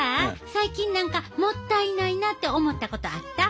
最近何かもったいないなって思ったことあった？